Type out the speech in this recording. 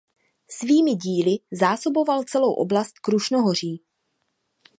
Svými díly zásoboval celou oblast Krušnohoří.